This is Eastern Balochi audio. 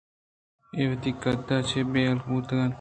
اے وتی قدّءَ چہ بے حیال بوتگ اَنت